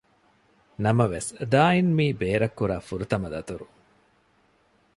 ނަމަވެސް ދާއިން މީ ބޭރަށް ކުރާ ފުރަތަމަ ދަތުރު